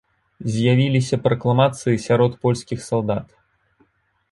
З'явіліся пракламацыі сярод польскіх салдат.